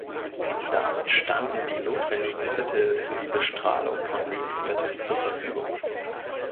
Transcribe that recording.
Damit standen die notwendigen Mittel für die Bestrahlung von Lebensmitteln zur Verfügung.